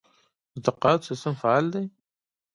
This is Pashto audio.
د تقاعد سیستم فعال دی؟